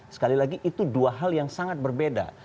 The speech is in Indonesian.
sekali lagi itu dua hal yang sangat berbeda